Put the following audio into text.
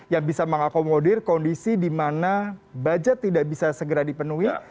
yang bisa mengakomodir kondisi di mana budget tidak bisa segera dipenuhi